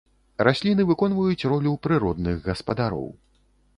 Расліны выконваюць ролю прыродных гаспадароў.